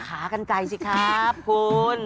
ขากันไกลสิครับคุณ